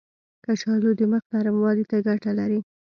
کچالو د مخ نرموالي ته ګټه لري.